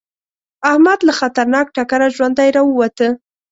احمد له خطرناک ټکره ژوندی راووته.